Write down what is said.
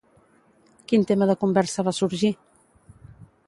Quin tema de conversa va sorgir?